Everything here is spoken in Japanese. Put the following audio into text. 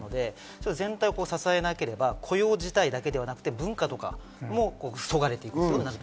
全体を支えなければ、雇用自体だけではなくて文化とかもそがれていく。